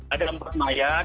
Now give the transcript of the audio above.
ada empat mayat